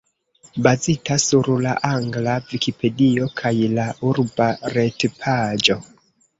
Bazita sur la angla Vikipedio kaj la urba retpaĝo.